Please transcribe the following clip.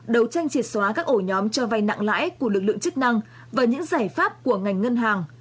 đầu tranh triệt xóa các ổ nhóm cho vay nặng lãi của lực lượng chức năng và những giải pháp của ngành ngân hàng